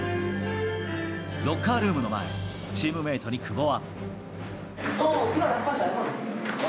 ロッカールームの前、チームメートに久保は。